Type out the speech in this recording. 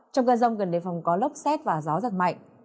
trong cơn rông gần đề phòng có lốc xét và gió giật mạnh